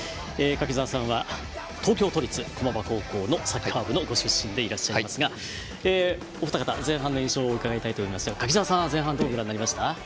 柿澤さんは東京都立駒場高校のサッカー部のご出身でいらっしゃいますがお二方、前半の印象を伺いたいと思いますが柿澤さんは前半どうご覧になりましたか？